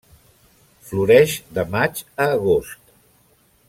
Floreix de maig a agost.